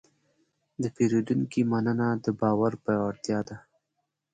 د پیرودونکي مننه د باور پیاوړتیا ده.